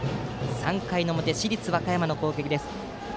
３回の表、市立和歌山の攻撃です。